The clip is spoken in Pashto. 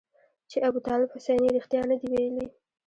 چې ابوطالب حسیني رښتیا نه دي ویلي.